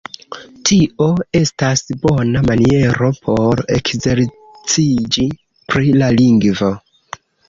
Tio estas bona maniero por ekzerciĝi pri la lingvo.